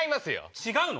違うの？